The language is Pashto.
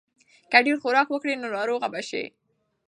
که ډېر خوراک وکړې نو ناروغه به شې.